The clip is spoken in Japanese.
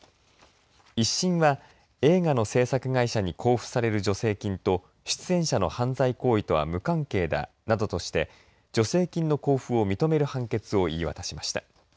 １審は映画の制作会社に交付される助成金と出演者の犯罪行為とは無関係だなどとして助成金の交付を認める判決を言い渡しました。